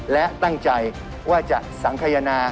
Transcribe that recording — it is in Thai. และตั้งใจว่าจะสังขยนา